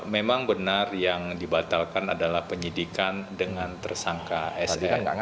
memang benar yang dibatalkan adalah penyidikan dengan tersangka s